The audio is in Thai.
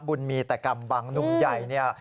บุญมีแต่กำบังหนุ่มใหญ่